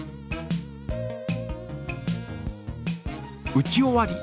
打ち終わり。